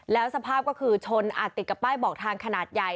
แล้วสภาพก็คือชนอาจติดกับป้ายบอกทางขนาดใหญ่